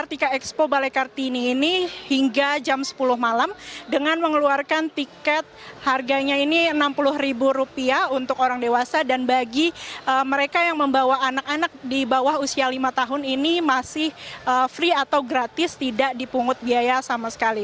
tiket expo balai kartini ini hingga jam sepuluh malam dengan mengeluarkan tiket harganya ini rp enam puluh untuk orang dewasa dan bagi mereka yang membawa anak anak di bawah usia lima tahun ini masih free atau gratis tidak dipungut biaya sama sekali